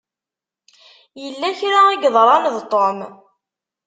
Yella kra i yeḍṛan d Tom.